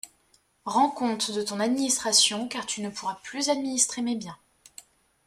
Rends compte de ton administration, car tu ne pourras plus administrer mes biens.